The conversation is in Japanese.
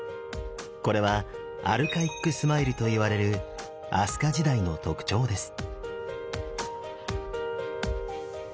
これはアルカイックスマイルといわれる飛鳥時代の特徴です。